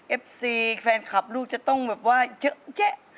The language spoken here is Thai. เอฟซีแฟนคลับลูกจะต้องแบบว่าเยอะแยะ